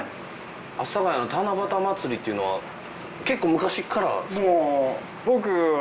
阿佐ヶ谷の七夕まつりっていうのは結構昔からですか？